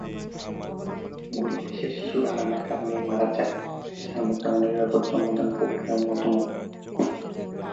গরিব দেশের শিশুরা নানা কারণেই মারা যায়, যার মধ্যে অনিরাপদ জন্মদান-প্রক্রিয়া অন্যতম।